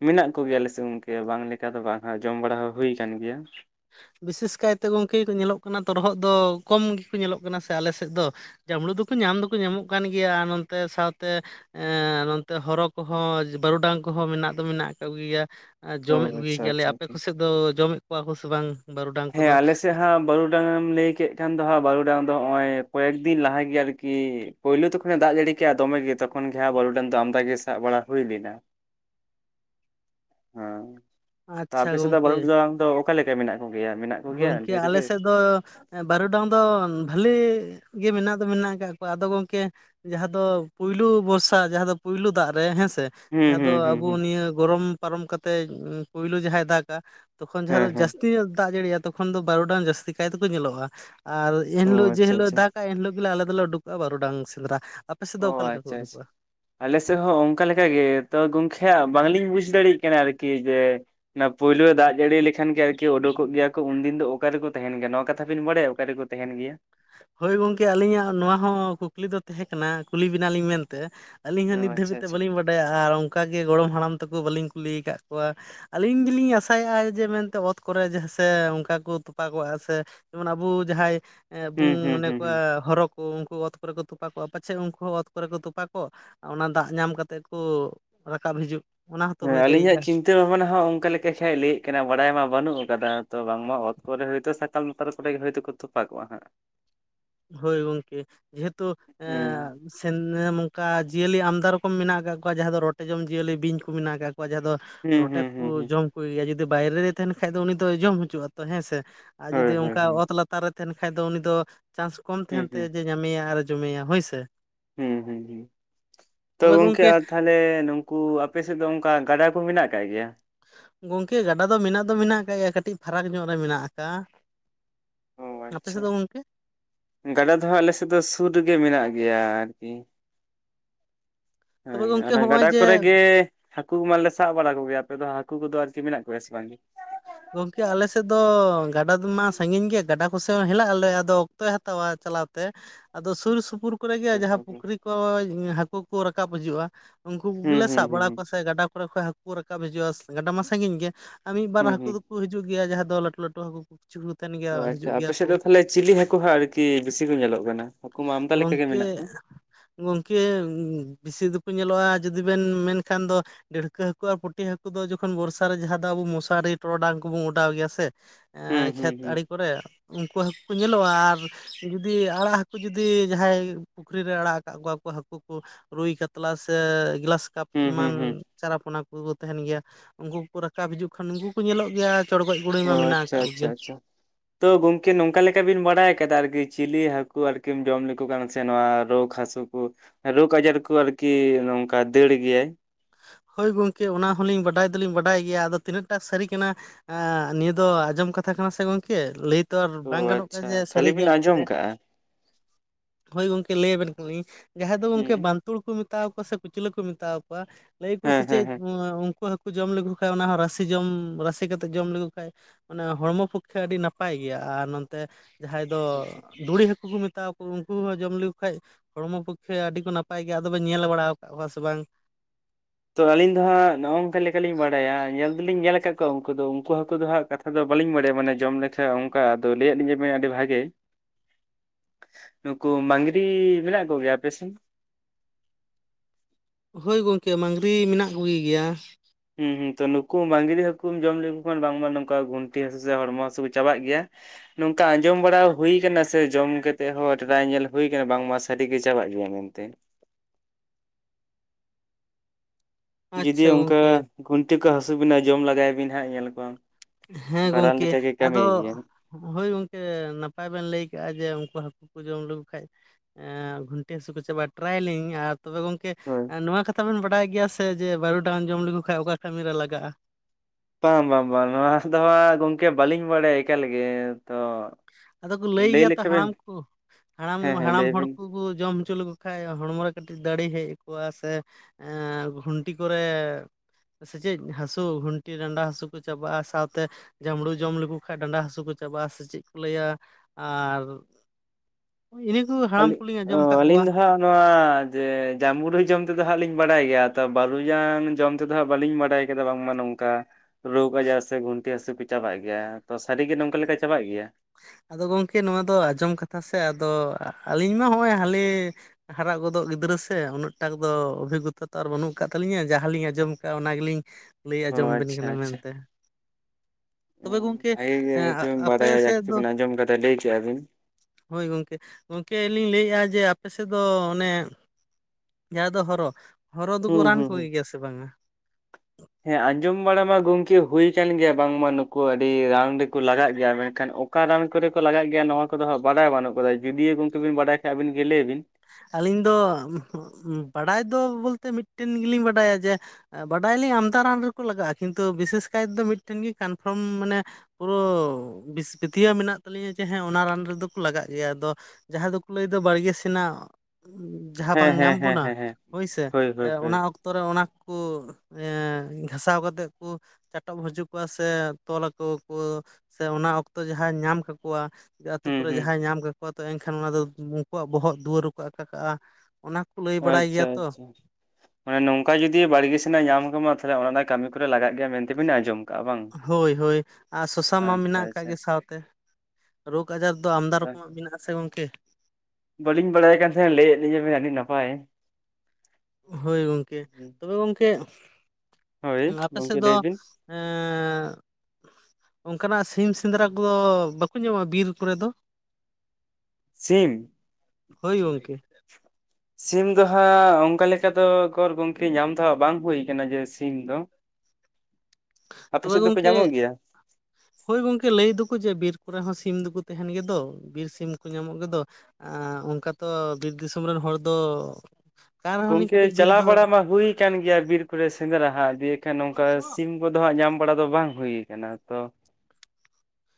ᱢᱮᱱᱟᱜ ᱠᱚ ᱜᱮᱭᱟ ᱟᱞᱮ ᱥᱮ ᱜᱚᱢᱠᱮ ᱵᱟᱝ ᱞᱮᱠᱟ ᱫᱚ ᱵᱟᱝ ᱡᱚᱢ ᱵᱟᱲᱟ ᱦᱚᱸ ᱦᱩᱭ ᱟᱠᱟᱱ ᱜᱮᱭᱟ ᱵᱤᱥᱮᱥ ᱠᱟᱭᱛᱮ ᱜᱚᱢᱠᱮ ᱠᱚ ᱧᱮᱞᱚᱜ ᱠᱟᱱᱟ ᱛᱚᱨᱚᱦᱚᱫ ᱫᱚ ᱠᱚᱢ ᱜᱮᱠᱚ ᱧᱮᱞᱚᱜ ᱠᱟᱱᱟ ᱥᱮ ᱟᱞᱮ ᱥᱮᱫ ᱫᱚ ᱡᱟᱢᱲᱩ ᱫᱚᱠᱚ ᱧᱟᱢ ᱫᱚᱠᱚ ᱧᱟᱢᱚᱜ ᱠᱟᱱ ᱜᱮᱭᱟ ᱟᱨ ᱱᱚᱱᱛᱮ ᱥᱟᱶᱛᱮ ᱮᱸ ᱱᱚᱛᱮ ᱦᱚᱨᱚ ᱠᱚᱦᱚᱸ ᱵᱟᱹᱨᱩᱰᱟᱝ ᱠᱚᱦᱚᱸ ᱢᱮᱱᱟᱜ ᱫᱚ ᱢᱮᱱᱟᱜ ᱠᱚᱜ ᱜᱮᱭᱟ ᱟᱨ ᱚ ᱡᱚᱢᱮᱫ ᱟᱪᱪᱷᱟ [inaudible] ᱜᱮᱭᱟᱞᱮ ᱟᱪᱪᱷᱟ ᱟᱯᱮ ᱟᱪᱪᱷᱟ ᱠᱚᱥᱮᱫ ᱫᱚ ᱡᱚᱢᱮᱫ ᱠᱚᱣᱟ ᱠᱚ ᱥᱮ ᱵᱟᱝ ᱵᱟᱹᱨᱩᱰᱟᱝ ᱦᱮᱸ ᱠᱚᱫᱚ? ᱟᱞᱮ ᱥᱮ ᱦᱚᱸ ᱵᱟᱨᱩ ᱵᱟᱹᱨᱩᱰᱟᱝ ᱮᱢ ᱞᱟᱹᱭ ᱠᱮᱫ ᱠᱷᱟᱱ ᱫᱚ ᱦᱟᱸᱜ ᱵᱟᱹᱨᱩᱰᱟᱝ ᱫᱚ ᱱᱚᱜᱚᱭ ᱠᱚᱭᱮᱠ ᱫᱤᱱ ᱞᱟᱦᱟ ᱜᱮ ᱟᱨᱠᱤ ᱯᱳᱭᱞᱳ ᱛᱚᱠᱷᱚᱱᱮ ᱫᱟᱜ ᱡᱟᱹᱲᱤ ᱠᱮᱜᱼᱟ ᱫᱚᱢᱮᱜ ᱜᱮ ᱛᱚᱠᱷᱚᱱ ᱜᱮ ᱦᱟᱸᱜ ᱵᱟᱹᱨᱩᱰᱟᱝ ᱫᱚ ᱟᱢᱫᱟ ᱜᱮ ᱥᱟᱵ ᱵᱟᱲᱟ ᱦᱩᱭ ᱞᱮᱱᱟ ᱦᱮᱸ [unintelligible] ᱛᱚ ᱟᱪᱪᱷᱟ ᱟᱯᱮ ᱥᱮᱫ ᱫᱚ ᱜᱚᱝᱠᱮ ᱵᱟᱹᱨᱩᱰᱟᱝ ᱫᱚ ᱚᱠᱟ ᱞᱮᱠᱟ ᱞᱮᱠᱟ ᱢᱮᱱᱟᱜ ᱠᱚ ᱜᱮᱭᱟ ᱢᱮᱱᱟᱜ ᱠᱚᱜᱮᱭᱟ ᱜᱚᱢᱠᱮ ᱰᱷᱮᱨ ᱟᱞᱮ ᱜᱮ ᱥᱮᱫ ᱫᱚ ᱵᱟᱹᱨᱩᱰᱟᱝ ᱫᱚ ᱵᱷᱟᱹᱞᱤ ᱜᱮ ᱢᱮᱱᱟᱜ ᱫᱚ ᱢᱮᱱᱟᱜ ᱟᱠᱟᱫ ᱠᱚᱣᱟ ᱟᱫᱚ ᱜᱚᱢᱠᱮ ᱡᱟᱦᱟᱸ ᱫᱚ ᱯᱩᱭᱞᱩ ᱵᱚᱨᱥᱟ ᱡᱟᱦᱟᱸ ᱫᱚ ᱯᱩᱭᱞᱩ ᱫᱟᱜ ᱨᱮ ᱦᱮᱸᱥᱮᱼᱼ ᱦᱩᱸ ᱡᱟᱦᱟᱸ ᱫᱚ ᱦᱩᱸ ᱦᱩᱸ ᱟᱵᱚ ᱦᱩᱸ ᱱᱤᱭᱟᱹ ᱜᱚᱨᱚᱢ ᱯᱟᱨᱚᱢ ᱠᱟᱛᱮᱜ ᱯᱳᱭᱞᱳ ᱡᱟᱦᱟᱸᱭ ᱫᱟᱜ ᱟᱠᱟ -ᱟ ᱾ ᱛᱚᱠᱷᱚᱱ ᱡᱟᱦᱟᱸ ᱦᱮᱸ ᱫᱚ ᱦᱮᱸ ᱡᱟᱹᱥᱛᱤ ᱧᱚᱜ ᱫᱟᱜ ᱡᱟᱹᱲᱤᱼᱟ ᱛᱚᱠᱷᱚᱱ ᱫᱚ ᱵᱟᱨᱩᱰᱟᱝ ᱡᱟᱹᱥᱛᱤ ᱠᱟᱭ ᱛᱮᱠᱚ ᱧᱮᱞᱚᱜᱼᱟ ᱟᱨᱼᱼ ᱮᱱ ᱚ ᱦᱤᱞᱳᱜ ᱡᱮ ᱟᱪᱪᱷᱟ ᱦᱤᱞᱳᱜ ᱟᱪᱪᱷᱟ ᱫᱟᱜᱟ ᱮᱱ ᱦᱤᱞᱳᱜ ᱜᱮ ᱟᱞᱮ ᱫᱚᱞᱮ ᱩᱰᱩᱠᱚᱜᱼᱟ ᱵᱟᱨᱩ ᱰᱟᱝ ᱥᱮᱸᱫᱽᱨᱟ᱾ ᱟᱯᱮ ᱥᱮᱫ ᱚ ᱫᱚ ᱚᱠᱟ ᱞᱮᱠᱟ ᱠᱚ ᱟᱪᱪᱷᱟ ᱟᱪᱪᱷᱟ ᱩᱰᱩᱠᱚᱜᱼᱟ? ᱟᱞᱮ ᱥᱮᱫ ᱦᱚᱸ ᱚᱱᱠᱟ ᱞᱮᱠᱟᱜᱮ ᱛᱚ ᱜᱚᱢᱠᱮ ᱵᱟᱝᱞᱤᱧ ᱵᱩᱡ ᱫᱟᱲᱮᱭᱟᱜ ᱠᱟᱱᱟ ᱟᱨᱠᱤ ᱡᱮᱼᱼ ᱚᱱᱟ ᱯᱳᱭᱞᱳ ᱫᱟᱜ ᱡᱟᱹᱲᱤ ᱞᱮᱠᱷᱟᱱ ᱜᱮ ᱟᱨᱠᱤ ᱩᱰᱩᱠᱚᱜ ᱜᱮᱭᱟ ᱠᱚ ᱩᱱᱫᱤᱱ ᱫᱚ ᱚᱠᱟ ᱨᱮᱠᱚ ᱛᱟᱦᱮᱱ ᱜᱮᱭᱟ ᱱᱚᱣᱟ ᱠᱟᱛᱷᱟ ᱵᱤᱱ ᱵᱟᱲᱟᱭᱟ ᱚᱠᱟ ᱨᱮᱠᱚᱼᱼ ᱛᱟᱦᱮᱱ ᱜᱮᱭᱟ᱾ ᱦᱳᱭ ᱜᱚᱢᱠᱮ ᱟᱹᱞᱤᱧᱟᱜ ᱱᱚᱣᱟ ᱦᱚᱸ ᱠᱩᱠᱞᱤ ᱫᱚ ᱛᱟᱦᱮᱸ ᱠᱟᱱᱟ ᱠᱩᱞᱤ ᱵᱮᱱᱟᱞᱤᱧ ᱢᱮᱱᱛᱮᱼᱼ ᱟᱹᱞᱤᱧ ᱚ ᱦᱚᱸ ᱱᱤᱛ ᱟᱪᱪᱷᱟ ᱫᱷᱟᱹᱵᱤᱡ ᱛᱮ ᱟᱪᱪᱷᱟ ᱵᱟᱹᱞᱤᱧ ᱵᱟᱰᱟᱭᱟ ᱟᱨ ᱚᱱᱠᱟᱜᱮ ᱜᱚᱲᱚᱢ ᱦᱟᱲᱟᱢ ᱛᱟᱠᱚ ᱵᱟᱹᱞᱤᱧ ᱠᱩᱞᱤ ᱟᱠᱟᱫ ᱠᱚᱣᱟᱼᱼ ᱟᱹᱞᱤᱧ ᱜᱮᱞᱤᱧ ᱟᱥᱟᱭᱮᱫᱼᱟ ᱡᱮ ᱢᱮᱱᱛᱮ ᱚᱛ ᱠᱚᱨᱮ ᱥᱮ ᱚᱱᱠᱟ ᱠᱚ ᱛᱚᱯᱟ ᱠᱚᱚᱜᱼᱟ ᱥᱮᱼᱼ ᱡᱮᱢᱚᱱ ᱟᱵᱚ ᱡᱟᱦᱟᱸᱭ ᱵᱚᱱ ᱦᱩᱸ ᱦᱩᱸ ᱢᱚᱱᱮ ᱦᱩᱸ ᱦᱩᱸ ᱠᱚᱣᱟ ᱦᱚᱨᱚᱜᱼᱼ ᱠᱚ ᱩᱱᱠᱩ ᱚᱛ ᱠᱚᱨᱮ ᱠᱚ ᱛᱚᱯᱟᱠᱚᱜᱼᱟ ᱯᱟᱪᱷᱮᱫ ᱩᱱᱠᱩ ᱦᱚᱸ ᱚᱛ ᱠᱚᱨᱮ ᱠᱚ ᱛᱚᱯᱟ ᱠᱚᱜ ᱚᱱᱟ ᱫᱟᱜ ᱧᱟᱢ ᱠᱟᱛᱮᱫ ᱠᱚ ᱨᱟᱠᱟᱵ ᱦᱤᱡᱩᱜ ᱚᱱᱟ ᱦᱚᱸᱛᱚ ᱦᱮᱸ ᱦᱩᱭ ᱫᱟᱲᱮᱭᱟᱜᱼᱟ ᱟᱞᱤᱧᱟᱜ ᱪᱤᱱᱛ ᱪᱤᱱᱛᱟᱹ ᱵᱷᱟᱵᱱᱟ ᱦᱚᱸ ᱚᱱᱠᱟ ᱞᱮᱠᱟ ᱠᱷᱟᱱ ᱞᱟᱹᱭᱮᱫ ᱠᱟᱱᱟ ᱵᱟᱲᱟᱭ ᱢᱟ ᱵᱟᱹᱱᱩᱜ ᱟᱠᱟᱫᱟ ᱛᱚ ᱵᱟᱝᱢᱟ ᱚᱛ ᱠᱚᱨᱮ ᱦᱳᱭᱛᱳ [unintelligible] ᱼᱼ [unintelligible] ᱜᱚᱴᱟ ᱜᱮ ᱦᱚᱭᱛᱚ ᱠᱚ ᱛᱚᱯᱟᱜᱚᱜᱼᱟ ᱦᱟᱸᱜᱼᱼ ᱦᱳᱭ ᱜᱚᱝᱠᱮ ᱡᱮᱦᱮᱛᱩ ᱦᱩᱸ ᱦᱮᱸᱻ ᱼᱼ ᱥᱮᱱ ᱱᱚᱝᱠᱟ ᱡᱤᱭᱟᱹᱞᱤ ᱟᱢᱫᱟ ᱨᱚᱠᱚᱢ ᱢᱮᱱᱟᱜ ᱟᱠᱟᱫ ᱠᱚᱣᱟ ᱡᱟᱦᱟᱸ ᱫᱚ ᱨᱚᱴᱮ ᱡᱚᱢ ᱡᱤᱭᱟᱹᱞᱤ ᱵᱤᱧ ᱠᱚ ᱢᱮᱱᱟᱜ ᱟᱠᱟᱫ ᱠᱚᱣᱟ ᱡᱟᱦᱟᱸ ᱫᱚᱼᱼ ᱦᱩᱸ ᱨᱚᱴᱮ ᱦᱩᱸ ᱠᱚ ᱦᱩᱸ ᱦᱩᱸ ᱡᱚᱢ ᱠᱚ ᱜᱮᱭᱟ ᱡᱩᱫᱤ ᱵᱟᱭᱨᱮ ᱨᱮᱭ ᱛᱟᱦᱮᱱ ᱠᱷᱟᱡ ᱫᱚ ᱩᱱᱤ ᱫᱚ ᱡᱚᱢ ᱦᱚᱪᱚᱼᱟ ᱛᱚ ᱦᱮᱸᱥᱮ ᱟᱨ ᱦᱳᱭ ᱡᱩᱫᱤ ᱦᱳᱭ ᱚᱱᱠᱟ ᱦᱳᱭ ᱚᱛ ᱞᱟᱛᱟᱨ ᱨᱮ ᱛᱟᱦᱮᱱ ᱠᱷᱟᱡ ᱫᱚ ᱩᱱᱤ ᱫᱚ ᱪᱟᱱᱥ ᱠᱚᱢ ᱦᱩᱸ ᱛᱟᱦᱮᱱ ᱛᱟᱭ ᱦᱩᱸ ᱡᱮ ᱧᱟᱢᱮᱭᱟ ᱟᱨᱼᱼ ᱡᱚᱢᱮᱭᱟ ᱦᱳᱭ ᱥᱮ᱾ ᱦᱩᱸ ᱦᱩᱸ ᱦᱩᱸ ᱛᱚ ᱜᱚᱝᱠᱮ ᱟᱨ ᱛᱟᱦᱞᱮ ᱱᱚ ᱼᱼ ᱟᱯᱮᱥᱮᱫ ᱫᱚ ᱚᱱᱠᱟ ᱜᱟᱰᱟ ᱠᱚ ᱢᱮᱱᱟᱜ ᱟᱠᱟᱫ ᱜᱮᱭᱟ᱾ ᱜᱚᱝᱠᱮ ᱜᱟᱰᱟ ᱫᱚ ᱢᱮᱱᱟᱜ ᱫᱚ ᱢᱮᱱᱟᱜ ᱟᱠᱟᱫ ᱜᱮᱭᱟ ᱠᱟᱹᱴᱤᱡ ᱯᱷᱟᱨᱟᱠ ᱧᱚᱜ ᱨᱮ ᱢᱮᱱᱟᱜ ᱟᱠᱟᱜ-ᱟ᱾ ᱚ ᱟᱪᱷᱟ ᱜᱟᱰᱟ ᱫᱚ ᱦᱟᱸᱜ ᱟᱞᱮ ᱥᱮᱫ ᱫᱚ ᱥᱩᱨ ᱨᱮᱜᱮ ᱢᱮᱱᱟᱜ ᱜᱮᱭᱟ ᱟᱨᱠᱤᱼᱼ ᱛᱚᱵᱮ ᱦᱳᱭ ᱜᱚᱝᱠᱮ ᱚᱱᱟ ᱦᱚᱸᱜᱼᱚᱭ ᱜᱟᱰᱟ ᱡᱮ ᱠᱚᱨᱮ ᱜᱮᱼᱼ ᱦᱟᱹᱠᱩ ᱠᱚ ᱢᱟᱞᱮ ᱥᱟᱵ ᱵᱟᱲᱟ ᱠᱚᱜᱮᱭᱟ᱾ ᱟᱯᱮ ᱫᱚ ᱦᱟᱹᱠᱩ ᱠᱚᱫᱚ ᱟᱨᱠᱤ ᱢᱮᱱᱟᱜ ᱠᱚᱜᱭᱟ ᱥᱮ ᱵᱟᱝᱜᱮ? ᱜᱚᱢᱠᱮ ᱟᱞᱮ ᱥᱮᱫ ᱫᱚ ᱜᱟᱰᱟ ᱫᱚ ᱢᱟ ᱥᱟᱺᱜᱤᱧ ᱜᱮᱭᱟ ᱜᱟᱰᱟ ᱠᱚ ᱥᱮᱫ ᱦᱚᱸ ᱦᱮᱱᱟᱜ ᱟᱞᱮ ᱟᱫᱚᱼᱼ ᱚᱠᱛᱚᱭ ᱦᱟᱛᱟᱣᱟ ᱪᱟᱞᱟᱣᱛᱮ ᱟᱫᱚ ᱥᱩᱨ ᱥᱩᱯᱩᱨᱼᱼ ᱠᱚᱨᱮ ᱜᱮ ᱦᱩᱸ ᱡᱟᱦᱟᱸ ᱦᱩᱸ ᱯᱩᱠᱷᱨᱤ ᱠᱚ ᱦᱟᱹᱠᱩ ᱠᱚ ᱨᱟᱠᱟᱵ ᱦᱤᱡᱩᱜᱼᱟᱼᱼ ᱩᱱᱠᱩ ᱠᱚ ᱜᱮ ᱞᱮ ᱦᱩᱸ ᱥᱟᱵ ᱦᱩᱸ ᱦᱩᱸ ᱵᱟᱲᱟ ᱦᱩᱸ ᱠᱚᱣᱟ ᱥᱮ ᱜᱟᱰᱟ ᱠᱚ ᱨᱮ ᱠᱷᱚᱡ ᱦᱟᱹᱠᱩ ᱠᱚ ᱨᱟᱠᱟᱵ ᱦᱤᱡᱩᱜᱼᱟ [unintelligible] ᱜᱟᱰᱟ ᱢᱟ ᱥᱟᱜᱤᱧ ᱜᱮ‌ ᱟᱨ ᱢᱤᱫᱵᱟᱨ ᱦᱩᱸ ᱦᱟᱹᱠᱩᱼᱼ ᱦᱩᱸ ᱦᱤᱡᱩᱜ ᱜᱮᱭᱟ ᱡᱟᱦᱟᱸ ᱫᱚ ᱞᱟᱹᱴᱩ ᱞᱟᱹᱴᱩ ᱦᱟᱹᱠᱩᱼᱼ ᱠᱤᱪᱷᱩ ᱠᱚ ᱛᱟᱦᱮᱸᱱ ᱜᱮᱭᱟ ᱚ ᱟᱪᱪᱷᱟ ᱦᱤᱡᱩᱜ ᱜᱮᱭᱟ ᱟᱯᱮ ᱠᱚ ᱥᱮᱫ ᱫᱚ ᱛᱟᱦᱚᱞᱮ ᱪᱤᱞᱤ ᱦᱟᱹᱠᱩ ᱦᱟᱸᱜ ᱟᱨᱠᱤ ᱵᱤᱥᱤ ᱠᱚ ᱧᱮᱞᱚᱜ ᱠᱟᱱᱟ? ᱦᱟᱹᱠᱩ ᱢᱟ ᱟᱢᱫᱟ ᱞᱮᱠᱟ ᱜᱮ ᱢᱮᱱᱟᱜ ᱠᱚᱼᱼ ᱜᱚᱢᱠᱮ ᱵᱮᱥᱤ ᱫᱚ ᱠᱚ ᱧᱮᱞᱚᱜᱼᱟ ᱡᱩᱫᱤ ᱵᱮᱱ ᱢᱮᱱᱠᱷᱟᱱ ᱫᱚᱼᱼ ᱰᱟᱹᱲᱠᱟᱹ ᱦᱟᱹᱠᱩ ᱟᱨ ᱯᱩᱴᱤ ᱦᱟᱹᱠᱩ ᱫᱚ ᱡᱚᱠᱷᱚᱱ ᱵᱚᱨᱥᱟ ᱨᱮ ᱡᱟᱦᱟᱸ ᱫᱚ ᱟᱵᱚ ᱢᱚᱥᱟᱨᱤᱼᱼ ᱴᱚᱨᱚᱰᱟᱝ ᱠᱚᱵᱚᱱ ᱚᱰᱟᱣ ᱜᱮᱭᱟ ᱥᱮ ᱦᱩᱸ ᱠᱷᱮᱛ ᱦᱩᱸ ᱦᱩᱸ ᱟᱲᱮ ᱠᱚᱨᱮ ᱩᱱᱠᱩ ᱦᱟᱹᱠᱩ ᱠᱚ ᱧᱮᱞᱚᱜᱼᱟ ᱟᱨᱼᱼ ᱡᱩᱫᱤ ᱟᱲᱟᱜ ᱦᱟᱹᱠᱩ ᱡᱩᱫᱤ ᱡᱟᱦᱟᱸᱭ ᱯᱩᱠᱷᱨᱤ ᱨᱮ ᱟᱲᱟᱜ ᱟᱠᱟᱫ ᱠᱚᱣᱟ ᱠᱚ ᱦᱟᱹᱠᱩ ᱠᱚᱼᱼ ᱨᱩᱭ ᱠᱟᱛᱞᱟ ᱥᱮ ᱜᱞᱟᱥ ᱠᱟᱯ ᱦᱩᱸ ᱦᱩᱸ ᱮᱢᱟᱱ ᱦᱩᱸ ᱪᱟᱨᱟᱯᱚᱱᱟ ᱠᱚ ᱠᱚ ᱛᱟᱦᱮᱸᱱ ᱜᱮᱭᱟᱼᱼ ᱩᱱᱠᱩ ᱠᱚ ᱠᱚ ᱨᱟᱠᱟᱵ ᱦᱤᱡᱩᱜ ᱠᱷᱟᱱ ᱩᱱᱠᱩ ᱠᱚ ᱧᱮᱞᱚᱜ ᱜᱮᱭᱟ ᱪᱚᱲᱜᱚᱡ ᱜᱳᱲᱳᱭ ᱢᱟ ᱚ ᱢᱮᱱᱟᱜ ᱟᱪᱪᱷᱟ ᱟᱠᱟᱫ ᱠᱚ ᱟᱪᱪᱷᱟ ᱜᱮ᱾ ᱟᱪᱪᱷᱟ ᱛᱚ ᱜᱚᱢᱠᱮ ᱱᱚᱝᱠᱟ ᱞᱮᱠᱟ ᱵᱤᱱ ᱵᱟᱲᱟᱭ ᱟᱠᱟᱫᱟ ᱟᱨ ᱠᱤ ᱪᱤᱞᱤ ᱦᱟᱹᱠᱩ ᱟᱨᱠᱤᱢ ᱡᱚᱢ ᱞᱮᱠᱚ ᱠᱷᱟᱱ ᱥᱮ ᱱᱚᱣᱟ ᱨᱳᱜᱽ ᱦᱟᱹᱥᱩ ᱠᱚᱼᱼ ᱨᱳᱜᱽ ᱟᱡᱟᱨ ᱠᱚ ᱟᱨᱠᱤ ᱱᱚᱝᱠᱟ ᱫᱟᱹᱲ ᱜᱮᱭᱟᱭ᱾ ᱦᱳᱭ ᱜᱚᱝᱠᱮ ᱚᱱᱟ ᱦᱚᱸᱞᱤᱧ ᱵᱟᱰᱟᱭ ᱫᱚᱞᱤᱧ ᱵᱟᱰᱟᱭ ᱜᱮᱭᱟ ᱟᱫᱚ ᱛᱤᱱᱟᱹᱜ ᱴᱟᱜ ᱥᱟᱹᱨᱤ ᱠᱟᱱᱟᱼᱼ ᱟ ᱱᱤᱭᱟᱹ ᱫᱚ ᱟᱸᱡᱚᱢ ᱠᱟᱛᱷᱟ ᱠᱟᱱᱟ ᱥᱮ ᱜᱚᱝᱠᱮ ᱞᱟᱹᱭ ᱼᱼ ᱛᱚ ᱟᱨ ᱵᱟᱝ ᱚ ᱜᱟᱱᱚᱜ ᱠᱟᱱᱟ ᱟᱪᱪᱷᱟ ᱡᱮ ᱥᱟᱹᱨᱤ ᱠᱷᱟᱹᱞᱤ ᱵᱤᱱ ᱜᱮᱭᱟ ᱟᱸᱡᱚᱢ ᱢᱮᱱᱛᱮ᱾ ᱠᱟᱜᱼᱟ ᱦᱳᱭ ᱜᱚᱝᱠᱮ ᱞᱟᱹᱭ ᱟᱵᱮᱱ ᱠᱟᱱᱟᱞᱤᱧ ᱡᱟᱦᱟᱸᱭ ᱫᱚ ᱜᱚᱢᱠᱮ ᱦᱩᱸ [unintelligible] ᱼᱼ [unintelligible] ᱠᱚ ᱢᱮᱛᱟ ᱠᱚᱣᱟ ᱥᱮ ᱠᱩᱪᱞᱟᱹ ᱠᱚ ᱢᱮᱛᱟ ᱠᱚᱣᱟ ᱞᱟᱹᱭ ᱟᱠᱚ ᱥᱮ ᱦᱮᱸ ᱦᱮᱸ ᱪᱮᱫ ᱦᱮᱸ ᱩᱱᱠᱩ ᱦᱟᱹᱠᱩᱼᱼ ᱡᱚᱢ ᱞᱮᱠᱚ ᱠᱷᱟᱱ ᱚᱱᱟ ᱦᱚᱸ ᱨᱟᱥᱮ ᱡᱚᱢ ᱨᱟᱥᱮ ᱠᱟᱛᱮᱫ ᱡᱚᱢ ᱞᱮᱠᱚ ᱠᱷᱟᱱᱼᱼ ᱢᱟᱱᱮ ᱦᱚᱲᱢᱚ ᱯᱚᱠᱠᱷᱮ ᱟᱹᱰᱤ ᱱᱟᱯᱟᱭ ᱜᱮᱭᱟ ᱟᱨ ᱱᱚᱛᱮ ᱡᱟᱦᱟᱸᱭ ᱫᱚ ᱟᱪᱪᱷᱟ ᱟᱪᱪᱷᱟ ᱫᱩᱲᱤ ᱦᱟᱹᱠᱩ ᱠᱚ ᱢᱮᱛᱟ ᱼᱼ [unintelligible] ᱠᱚ ᱩᱱᱠᱩ ᱦᱚᱸ ᱡᱚᱢ ᱞᱮᱠᱚ ᱠᱷᱟᱡ ᱦᱚᱲᱢᱚ ᱯᱚᱠᱠᱷᱮ ᱟᱹᱰᱤ ᱠᱚ ᱱᱟᱯᱟᱭ ᱜᱮᱭᱟ ᱟᱫᱚ ᱵᱮᱱ ᱧᱮᱞ ᱵᱟᱲᱟ ᱟᱠᱟᱫ ᱠᱚᱣᱟ ᱥᱮ ᱵᱟᱝᱼᱼ ᱛᱚ ᱟᱞᱤᱧ ᱫᱚ ᱦᱟᱸᱜ ᱱᱚᱜᱼᱚ ᱱᱚᱝᱠᱟ ᱞᱮᱠᱟᱞᱤᱧ ᱵᱟᱲᱟᱭᱟ ᱧᱮᱞ ᱫᱚᱞᱤᱧ ᱧᱮᱞ ᱟᱠᱟᱫ ᱼᱼ ᱩᱱᱠᱩ ᱫᱚ ᱩᱱᱠᱩ ᱦᱟᱹᱠᱩ ᱫᱚ ᱦᱟᱸᱜ ᱠᱟᱛᱷᱟ ᱫᱚ ᱵᱟᱹᱞᱤᱧ ᱵᱟᱲᱟᱭᱟ ᱢᱟᱱᱮ ᱡᱚᱢ ᱞᱮᱠᱷᱟᱱ ᱚᱱᱠᱟ ᱟᱫᱚ ᱞᱟᱹᱭ ᱟᱫ ᱞᱤᱧᱟ ᱵᱮᱱ ᱢᱮ ᱟᱹᱰᱤ ᱵᱷᱟᱜᱮᱼᱼ [unintelligible] ᱼᱼ ᱱᱩᱠᱩ ᱢᱟᱝᱨᱤ ᱢᱮᱱᱟᱜ ᱠᱚ ᱜᱮᱭᱟ ᱟᱯᱮ ᱥᱮᱱ ᱦᱳᱭ ᱜᱚᱝᱠᱮ ᱢᱟᱝᱨᱤ ᱢᱮᱱᱟᱜ ᱠᱚ ᱜᱮ ᱜᱮᱭᱟ ᱦᱩᱸ ᱦᱩᱸ ᱛᱚ ᱱᱩᱠᱩ ᱢᱟᱝᱨᱤ ᱦᱟᱠᱩᱢ ᱡᱚᱢ ᱞᱮᱠᱚ ᱠᱷᱟᱱ ᱵᱟᱝᱢᱟ ᱱᱚᱝᱠᱟ ᱜᱳᱱᱴᱷᱮ ᱦᱟᱥᱳ ᱥᱮ ᱦᱚᱲᱢᱚ ᱦᱟᱥᱳ ᱠᱚ ᱪᱟᱵᱟᱜ ᱜᱮᱭᱟ ᱱᱚᱝᱠᱟ ᱟᱸᱡᱚᱢ ᱵᱟᱲᱟ ᱦᱩᱭ ᱠᱟᱱᱟ ᱥᱮ ᱡᱚᱢ ᱠᱟᱛᱮᱜ ᱦᱚᱸ ᱴᱨᱟᱭ ᱧᱮᱞ ᱦᱩᱭ ᱠᱟᱱᱟ ᱵᱟᱝ ᱢᱟ ᱥᱟᱹᱨᱤ ᱜᱮ ᱪᱟᱵᱟᱜ ᱜᱮᱭᱟ ᱢᱮᱱᱛᱮ ᱡᱩᱫᱤ ᱟᱪᱪᱷᱟ ᱚᱱᱠᱟ ᱜᱚᱝᱠᱮ ᱜᱳᱱᱴᱷᱮ ᱠᱚ ᱦᱟᱥᱳ ᱵᱤᱱᱟ ᱡᱚᱢ ᱞᱟᱜᱟᱭ ᱵᱤᱱ ᱦᱟᱜ ᱧᱮᱞ ᱠᱚᱣᱟᱢ ᱦᱮᱸ ᱚᱱᱠᱟ ᱨᱟᱱ ᱜᱚᱢᱠᱮ ᱞᱮᱠᱟ ᱜᱮ ᱟᱫᱚ ᱠᱟᱹᱢᱤᱭ ᱜᱮᱭᱟ ᱦᱳᱭ ᱜᱚᱝᱠᱮ ᱱᱟᱯᱟᱭ ᱵᱮᱱ ᱞᱟᱹᱭ ᱠᱟᱜᱼᱟ ᱡᱮ ᱩᱱᱠᱩ ᱦᱟᱹᱠᱩ ᱠᱚ ᱡᱚᱢ ᱞᱮᱠᱚ ᱠᱷᱟᱡ [unintelligible] ᱴᱨᱟᱭᱟᱤᱧ ᱛᱚᱵᱮ ᱜᱚᱝᱠᱮ ᱦᱳᱭ ᱱᱚᱣᱟ ᱠᱟᱛᱷᱟ ᱵᱮᱱ ᱵᱟᱰᱟᱭ ᱜᱮᱭᱟ ᱥᱮ ᱡᱮ ᱵᱟᱨᱩᱰᱟᱝ ᱡᱚᱢ ᱞᱮᱠᱚ ᱠᱷᱟᱡ ᱚᱠᱟ ᱠᱟᱹᱢᱤ ᱨᱮ ᱞᱟᱜᱟᱜᱼᱟ ᱵᱟᱝ ᱵᱟᱝ ᱵᱟᱝ ᱱᱚᱣᱟ ᱫᱚ ᱦᱟᱸᱜ ᱜᱚᱝᱠᱮ ᱵᱟᱹᱞᱤᱧ ᱵᱟᱲᱟᱭᱟ ᱮᱠᱟᱞ ᱜᱮ ᱛᱚ ᱟᱫᱚ ᱠᱚ ᱞᱟᱹᱭ ᱜᱮᱭᱟ ᱛᱚ ᱞᱮᱠᱷᱟᱱ ᱵᱮᱱ ᱦᱟᱲᱟᱢ ᱠᱚ ᱦᱟᱲᱟᱢ ᱦᱮᱸ ᱦᱮᱸ ᱦᱟᱲᱟᱢ ᱞᱟᱹᱭ ᱦᱚᱲ ᱵᱤᱱ᱾ ᱠᱚ [unintelligible] ᱡᱚᱢ ᱦᱚᱪᱚ ᱞᱮᱠᱚ ᱠᱷᱟᱡ ᱦᱚᱲᱢᱚ ᱨᱮ ᱠᱟᱹᱴᱤᱡ ᱫᱟᱲᱮ ᱦᱮᱡ ᱟᱠᱚᱜᱼᱟ ᱥᱮ ᱜᱩᱱᱴᱤ ᱠᱚᱨᱮ ᱥᱮ ᱪᱮᱫ ᱦᱟᱥᱳ ᱜᱷᱩᱱᱴᱤ ᱰᱟᱸᱰᱟ ᱦᱟᱥᱳ ᱠᱚ ᱪᱟᱵᱟᱜᱼᱟ ᱥᱟᱶᱛᱮ ᱡᱟᱢᱲᱳ ᱡᱚᱢ ᱞᱮᱠᱚ ᱠᱷᱟᱡ ᱰᱟᱸᱰᱟ ᱦᱟᱥᱳ ᱠᱚ ᱪᱟᱵᱟᱜᱼᱟ ᱥᱮ ᱪᱮᱫ ᱠᱚ ᱞᱟᱹᱭᱟ ᱟᱨ ᱤᱱᱟᱹ ᱠᱚ ᱦᱟᱲᱟᱢ ᱟᱹᱞᱤᱧ ᱠᱚᱞᱤᱧ ᱚ ᱟᱸᱡᱚᱢ ᱠᱟᱜ ᱟᱹᱞᱤᱧ ᱠᱚᱣᱟ ᱫᱚ ᱦᱟᱸᱜ ᱱᱚᱣᱟ ᱡᱮ ᱡᱟᱢᱵᱲᱩ ᱡᱚᱢ ᱛᱮᱫᱚ ᱦᱟᱜ ᱞᱤᱧ ᱵᱟᱲᱟᱭ ᱜᱮᱭᱟ ᱛᱚ ᱵᱟᱨᱩ ᱡᱟᱝ ᱡᱚᱢ ᱛᱮᱫᱚ ᱦᱟᱜ ᱵᱟᱹᱞᱤᱧ ᱵᱟᱰᱟᱭ ᱛᱮᱫᱚ ᱵᱟᱝᱢᱟ ᱱᱚᱝᱠᱟ ᱨᱳᱜᱽ ᱟᱡᱟᱨ ᱥᱮ ᱜᱷᱩᱱᱴᱷᱤ ᱦᱟᱹᱥᱩ ᱠᱚ ᱪᱟᱵᱟᱜ ᱜᱮᱭᱟ ᱛᱚ ᱥᱟᱹᱨᱤ ᱜᱮ ᱱᱚᱝᱠᱟ ᱞᱮᱠᱟ ᱪᱟᱵᱟᱜ ᱜᱮᱭᱟ ᱟᱫᱚ ᱜᱚᱢᱠᱮ ᱱᱚᱣᱟ ᱫᱚ ᱟᱸᱡᱚᱢ ᱠᱟᱛᱷᱟ ᱥᱮ ᱟᱫᱚ ᱟᱹᱞᱤᱧ ᱢᱟ ᱦᱚᱜᱼᱚᱭ ᱦᱟᱹᱞᱮ ᱦᱟᱨᱟ ᱜᱚᱫᱚᱜ ᱜᱤᱫᱽᱨᱟᱹ ᱥᱮ ᱩᱱᱟᱹᱜ ᱴᱟᱠ ᱫᱚ ᱚᱵᱷᱤᱜᱚᱛᱟ ᱛᱚ ᱟᱨ ᱵᱟᱹᱱᱩᱜ ᱠᱟᱜ ᱛᱟᱹᱞᱤᱧᱟ ᱡᱟᱦᱟᱸ ᱞᱤᱧ ᱟᱸᱡᱚᱢ ᱠᱟᱜᱼᱟ ᱚᱱᱟ ᱜᱮᱞᱤᱧ ᱞᱟᱹᱭ ᱚ ᱟᱸᱡᱚᱢ ᱵᱤᱱ ᱟᱪᱪᱷᱟ ᱠᱟᱱᱟ ᱟᱪᱪᱷᱟ ᱢᱮᱱᱛᱮ ᱛᱚᱵᱮ ᱜᱚᱢᱠᱮ ᱟᱯᱮ ᱥᱮᱫ ᱪᱮᱜ ᱫᱚ ᱵᱤᱱ ᱟᱸᱡᱚᱢ ᱠᱟᱫᱟ ᱞᱮ ᱠᱮᱭᱟ ᱵᱤᱱ ᱦᱳᱭ ᱜᱚᱢᱠᱮ, ᱜᱚᱢᱠᱮ ᱞᱟᱹᱭᱮᱜ-ᱟ ᱡᱮ ᱟᱯᱮᱥᱮᱫ ᱫᱚ ᱚᱱᱮ ᱡᱟᱦᱟ ᱫᱚ ᱦᱚᱨᱚ, ᱦᱚᱨᱚ ᱫᱚᱠᱚ ᱦᱩᱸ ᱨᱟᱱ ᱦᱩᱸ ᱦᱩᱸ ᱠᱚᱜᱮ ᱜᱮᱭᱟ ᱥᱮ ᱵᱟᱝ ᱼᱟ ᱦᱮᱸ ᱟᱸᱡᱚᱢ ᱵᱟᱲᱟ ᱢᱟ ᱜᱚᱝᱠᱮ ᱦᱳᱭ ᱠᱟᱱ ᱜᱮᱭᱟ ᱵᱟᱝᱢᱟ ᱱᱩᱠᱩ ᱟᱹᱰᱤ ᱨᱟᱱ ᱨᱮᱠᱚ ᱞᱟᱜᱟᱜ ᱜᱮᱭᱟ ᱢᱮᱱᱠᱷᱟᱱ ᱚᱠᱟ ᱨᱟᱱ ᱠᱚᱨᱮ ᱠᱚ ᱞᱟᱜᱟᱜ ᱜᱮᱭᱟ ᱱᱚᱣᱟ ᱠᱚᱫᱚ ᱦᱟᱜ ᱵᱟᱰᱟᱭ ᱵᱟᱹᱱᱩᱜ ᱠᱟᱫᱟ ᱡᱩᱫᱤᱭᱳ ᱜᱚᱢᱠᱮ ᱵᱤᱱ ᱵᱟᱰᱟᱭ ᱠᱷᱟᱡ ᱟᱹᱵᱤᱱ ᱜᱮ ᱞᱮᱵᱤᱱ ᱟᱹᱞᱤᱧ ᱫᱚ ᱵᱟᱰᱟᱭ ᱫᱚ ᱵᱚᱞᱛᱮ ᱢᱤᱫᱴᱮᱱ ᱜᱮᱞᱤᱧ ᱵᱟᱰᱟᱭᱟ ᱡᱮ ᱵᱟᱰᱟᱭᱞᱤᱧ ᱟᱢᱫᱟ ᱨᱟᱱ ᱨᱮᱠᱚ ᱞᱟᱜᱟᱜᱼᱟ ᱠᱤᱱᱛᱩ ᱵᱤᱥᱮᱥ ᱠᱟᱭᱛᱮ ᱢᱤᱫᱴᱮᱱ ᱜᱮ ᱠᱟᱱᱯᱷᱨᱚᱢ ᱢᱟᱱᱮ ᱯᱩᱨᱟᱹ ᱯᱟᱹᱛᱭᱟᱹᱣ ᱢᱮᱱᱟᱜ ᱛᱟᱞᱤᱧᱟ ᱡᱮ ᱦᱮᱸ ᱚᱱᱟ ᱨᱟᱱ ᱨᱮᱫᱚ ᱠᱚ ᱞᱟᱜᱟᱜ ᱜᱮᱭᱟ ᱟᱫᱚ ᱡᱟᱦᱟ ᱫᱚᱠᱚ ᱞᱟᱹᱭᱫᱟ ᱵᱟᱲᱜᱮ ᱥᱮᱱᱟᱜ ᱡᱟᱦᱟ ᱦᱮᱸ ᱵᱟᱝ ᱦᱮᱸ ᱧᱟᱢ ᱦᱮᱸ ᱵᱚᱱᱟ ᱦᱮᱸ ᱦᱮᱸ ᱦᱳᱭᱥᱮ ᱦᱳᱭ ᱦᱳᱭ ᱦᱳᱭ ᱚᱱᱟ ᱚᱠᱛᱚᱨᱮ ᱚᱱᱟ ᱠᱚ ᱮ ᱜᱷᱟᱥᱟᱣ ᱠᱟᱛᱮᱜ ᱠᱚ ᱪᱟᱴᱚᱜ ᱦᱚᱪᱚ ᱠᱚᱣᱟ ᱥᱮ ᱛᱚᱞ ᱟᱠᱚ ᱣᱟᱠᱚ ᱥᱮ ᱚᱱᱟ ᱚᱠᱛᱚ ᱡᱟᱦᱟ ᱧᱟᱢ ᱠᱟᱠᱚᱣᱟ ᱟᱹᱛᱩ ᱦᱩᱸ ᱠᱚᱨᱮ ᱦᱩᱸ ᱡᱟᱦᱟᱭ ᱧᱟᱢ ᱠᱟᱠᱚᱣᱟ ᱛᱚ ᱮᱱᱠᱷᱟᱱ ᱚᱱᱟ ᱫᱚ ᱩᱱᱠᱩᱣᱟᱜ ᱵᱚᱦᱚᱜ ᱫᱩᱣᱟᱹᱨ ᱨᱮᱠᱚ ᱟᱠᱟ ᱠᱟᱜᱼᱟ ᱚᱱᱟ ᱞᱟᱹᱭ ᱵᱟᱲᱟᱭ ᱟᱪᱪᱷᱟ ᱜᱮᱭᱟ ᱛᱚ ᱟᱪᱪᱷᱟ ᱢᱟᱱᱮ ᱱᱚᱝᱠᱟ ᱡᱩᱫᱤ ᱵᱟᱲᱜᱮ ᱥᱮᱱᱟᱜ ᱧᱟᱢ ᱠᱟᱢᱟ ᱛᱟᱦᱚᱞᱮ ᱚᱱᱟ ᱨᱮᱱᱟᱜ ᱠᱟᱹᱢᱤ ᱠᱚᱨᱮ ᱞᱟᱜ ᱜᱮᱭᱟ ᱢᱮᱱ ᱦᱳᱭ ᱦᱳᱭ ᱟ ᱥᱚᱥᱟ ᱢᱟ ᱟᱪᱪᱷᱟ ᱢᱮᱱᱟᱜ ᱠᱟᱜ ᱟᱪᱪᱷᱟ ᱜᱮ ᱥᱟᱶᱛᱮ ᱨᱳᱜᱽ ᱟᱡᱟᱨ ᱫᱚ ᱟᱢᱫᱟ ᱨᱚᱠᱚᱢᱟᱜ ᱢᱮᱱᱟᱜ ᱟᱥᱮ ᱜᱚᱝᱠᱮ ᱵᱟᱹᱞᱤᱧ ᱵᱟᱲᱟᱭ ᱠᱟᱱ ᱛᱟᱦᱮᱸᱱᱟ ᱞᱟᱹᱭ ᱟᱜ ᱞᱤᱧᱟᱵᱤᱱ ᱟᱹᱰᱤ ᱱᱟᱯᱟᱭ ᱦᱳᱭ ᱜᱚᱝᱠᱮ ᱛᱚᱵᱮ ᱜᱚᱝᱠᱮ ᱦᱳᱭ ᱟᱯᱮ ᱥᱮᱫ ᱜᱚᱝᱠᱮ ᱫᱚ ᱞᱟᱹᱭ ᱵᱤᱱ ᱮᱻ ᱚᱱᱠᱟᱱᱟᱜ ᱥᱤᱢ ᱥᱮᱸᱫᱽᱨᱟ ᱠᱚ ᱵᱟᱠᱚ ᱧᱟᱢᱚᱜ-ᱟ ᱵᱤᱨ ᱠᱚᱨᱮ ᱫᱚ ᱥᱤᱢ ᱦᱳᱭ ᱜᱚᱝᱠᱮ ᱥᱤᱢ ᱫᱚ ᱦᱟᱜ ᱚᱱᱠᱟ ᱞᱮᱠᱟ ᱫᱚ ᱠᱚᱨ ᱜᱚᱢᱠᱮ ᱧᱟᱢ ᱫᱚ ᱦᱟᱜ ᱵᱟᱝ ᱦᱳᱭ ᱠᱟᱱᱟ ᱡᱮ ᱥᱤᱢ ᱫᱚ ᱟᱯᱮ ᱛᱚᱵᱮ ᱥᱮᱫ ᱫᱚᱠᱚ ᱧᱟᱢᱚᱜ ᱜᱚᱝᱠᱮᱪ ᱜᱮᱭᱟ ᱦᱳᱭ ᱜᱚᱝᱠᱮ ᱞᱟᱹᱭᱮᱫ ᱫᱚᱠᱚ ᱡᱮ ᱵᱤᱨ ᱠᱚᱨᱮ ᱦᱚᱸ ᱥᱤᱢ ᱫᱚᱠᱚ ᱛᱟᱦᱮᱱ ᱜᱮᱫᱚ ᱵᱤᱨ ᱥᱤᱢ ᱠᱚ ᱧᱟᱢᱚᱜ ᱜᱮᱫᱚ ᱮᱜ ᱚᱱᱠᱟ ᱛᱚ ᱵᱤᱨ ᱫᱤᱥᱚᱢ ᱨᱮᱱ ᱦᱚᱲ ᱫᱚ ᱠᱟᱱ ᱨᱮᱦᱚᱸ ᱞᱤᱧ ᱜᱚᱝᱠᱮ ᱠᱟᱹᱴᱤᱡ ᱵᱤᱨ ᱪᱟᱞᱟᱣ ᱫᱚ ᱵᱟᱲᱟ ᱢᱟ ᱦᱩᱭ ᱠᱟᱱ ᱜᱮᱭᱟ ᱵᱤᱨ ᱠᱚᱨᱮ ᱥᱮᱸᱫᱽᱨᱟ ᱦᱟᱸᱜ ᱫᱤᱭᱮ ᱠᱷᱟᱱ ᱱᱚᱝᱠᱟ ᱥᱤᱢ ᱩᱱᱠᱩ ᱫᱚ ᱦᱟᱸᱜ ᱧᱟᱢ ᱵᱟᱲᱟ ᱫᱚ ᱵᱟᱝ ᱦᱩᱭᱩ ᱠᱟᱱᱟ ᱛᱚ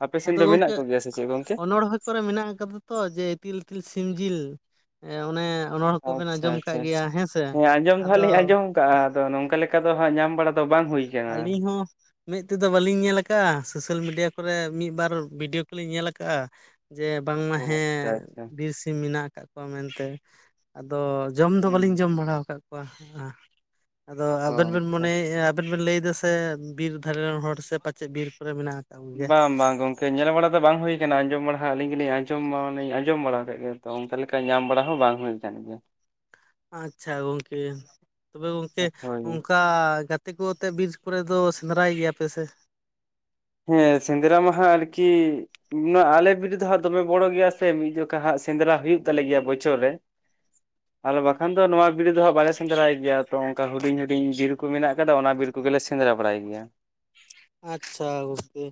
ᱟᱯᱮ ᱥᱮᱱ ᱟᱫᱚ ᱫᱚ ᱢᱮᱱᱟᱜ ᱜᱚᱝᱠᱮ ᱠᱚᱜᱮᱭᱟ ᱥᱮ ᱪᱮᱫ ᱜᱚᱝᱠᱮ ᱚᱱᱚᱬᱦᱮ ᱠᱚᱨᱮ ᱢᱮᱱᱟᱜ ᱟᱠᱟᱫᱟ ᱛᱚ ᱡᱮ ᱤᱛᱤᱞ ᱤᱛᱤᱞ ᱥᱤᱢ ᱡᱤᱞ ᱚᱱᱮ ᱚᱱᱚᱬᱦᱮ ᱠᱚᱵᱮᱱ ᱟᱪᱪᱷᱟ ᱟᱸᱡᱚᱢ ᱠᱟᱜ ᱟᱪᱪᱷᱟ ᱜᱮᱭᱟ ᱟᱪᱪᱷᱟ ᱦᱮᱸ ᱥᱮ ᱟᱫᱚ ᱚᱱᱠᱟ ᱫᱚ ᱦᱟᱜ ᱧᱟᱢ ᱵᱟᱲᱟ ᱫᱚ ᱵᱟᱝ ᱦᱩᱭ ᱠᱟᱱᱟ ᱟᱹᱞᱤᱧ ᱦᱚᱸ ᱢᱮᱫ ᱛᱮᱫᱚ ᱵᱟᱹᱞᱤᱧ ᱧᱮᱞ ᱠᱟᱜᱼᱟ ᱥᱳᱥᱟᱞ ᱢᱤᱰᱤᱭᱟ ᱠᱚᱨᱮ ᱢᱤᱫ ᱵᱟᱨ ᱵᱷᱤᱰᱭᱳ ᱠᱚᱞᱤᱧ ᱧᱮᱞ ᱠᱟᱜᱼᱟ ᱡᱮ ᱵᱟᱝᱢᱟ ᱚ ᱦᱮᱸ ᱟᱪᱪᱷᱟ ᱟᱪᱪᱷᱟ ᱵᱤᱨ ᱥᱤᱢ ᱢᱮᱱᱟᱜ ᱟᱠᱟᱫ ᱠᱚᱣᱟ ᱢᱮᱱᱛᱮ ᱟᱫᱚ ᱡᱚᱢ ᱫᱚ ᱦᱩᱸ ᱵᱟᱹᱞᱤᱧ ᱡᱚᱢ ᱵᱟᱲᱟ ᱟᱠᱟᱫ ᱠᱚᱣᱟ ᱟᱫᱚ ᱚ ᱟᱵᱮᱱ ᱵᱮᱱ ᱟᱪᱪᱷᱟ ᱢᱚᱱᱮᱭᱮᱫᱼᱟ ᱟᱵᱮᱱ ᱵᱮᱱ ᱞᱟᱹᱭ ᱫᱟ ᱥᱮ ᱵᱤᱨ ᱫᱷᱟᱨᱮ ᱨᱮᱱ ᱦᱚᱲ ᱥᱮ ᱯᱟᱪᱮᱫ ᱵᱤᱨ ᱠᱚᱨᱮ ᱢᱮᱱᱟᱜ ᱟᱠᱟᱫ ᱠᱚᱜᱮᱭᱟ ᱵᱟᱝ ᱵᱟᱝ ᱜᱚᱝ ᱠᱮ ᱧᱮᱞ ᱵᱟᱲᱟ ᱫᱚ ᱵᱟᱝ ᱦᱩᱭ ᱟᱠᱟᱱᱟ ᱟᱸᱡᱚᱢ ᱵᱟᱲᱟ ᱟᱞᱤᱧ ᱜᱮᱞᱤᱧ ᱟᱸᱡᱚᱢ ᱢᱟᱞᱤᱧ ᱟᱸᱡᱚᱢ ᱵᱟᱲᱟ ᱠᱟᱜ ᱜᱮᱭᱟ ᱛᱚ ᱚᱱᱠᱟ ᱞᱮᱠᱟ ᱧᱟᱢ ᱵᱟᱲᱟ ᱦᱚᱸ ᱵᱟᱝ ᱦᱩᱭ ᱟᱠᱟᱱ ᱜᱮᱭᱟ ᱟᱪᱪᱷᱟ ᱜᱚᱝᱠᱮ ᱛᱚᱵᱮ ᱜᱚᱝᱠᱮ ᱦᱳᱭ ᱚᱱᱠᱟ ᱜᱟ ᱜᱟᱛᱮ ᱠᱚ ᱟᱛᱮᱫ ᱵᱤᱡ ᱠᱚᱨᱮ ᱫᱚ ᱥᱮᱸᱫᱽᱨᱟᱭ ᱜᱮᱭᱟᱯᱮ ᱥᱮ ᱦᱮᱸ ᱥᱮᱸᱫᱽᱨᱟ ᱢᱟᱦᱟ ᱟᱨᱠᱤ ᱱᱚᱣᱟ ᱟᱞᱮ ᱵᱤᱨ ᱫᱚ ᱦᱟᱸᱜ ᱫᱚᱢᱮ ᱵᱚᱲᱚ ᱜᱮᱭᱟ ᱥᱮ ᱢᱤᱫ ᱡᱚᱠᱷᱟ ᱦᱟᱸᱜ ᱥᱮᱸᱫᱽᱨᱟ ᱦᱩᱭᱩᱜ ᱛᱟᱞᱮ ᱜᱮᱭᱟ ᱵᱚᱪᱷᱚᱨ ᱨᱮ ᱟᱫᱚ ᱵᱟᱠᱷᱟᱱ ᱫᱚ ᱱᱚᱣᱟ ᱵᱤᱨ ᱫᱚ ᱦᱟᱜ ᱵᱟᱞᱮ ᱥᱮᱫᱽᱨᱟᱭ ᱜᱮᱭᱟ ᱛᱚ ᱚᱱᱠᱟ ᱦᱩᱰᱤᱧ ᱦᱩᱰᱤᱧ ᱵᱤᱨ ᱠᱚ ᱢᱮᱱᱟᱜ [unintelligible] ᱚᱱᱟ ᱵᱤᱨ ᱠᱚᱜᱮᱞᱮ ᱥᱮᱸᱫᱽᱨᱟ ᱵᱟᱲᱟᱭ ᱜᱮᱭᱟ ᱟᱪᱪᱷᱟ ᱜᱚᱢᱠᱮ